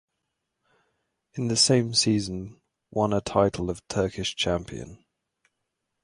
In the same season won a title of Turkish Champion.